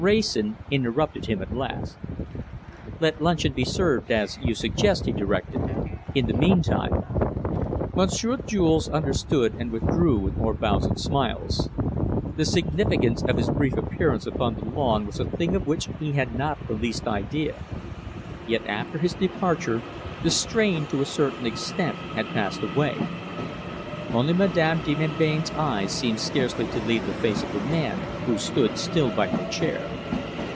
Wrayson interrupted him at last. "Let luncheon be served as you suggest," he directed. "In the meantime " Monsieur Jules understood and withdrew with more bows and smiles. The significance of his brief appearance upon the lawn was a thing of which he had not the least idea. Yet after his departure, the strain to a certain extent had passed away. Only Madame de Melbain's eyes seemed scarcely to leave the face of the man who stood still by her chair.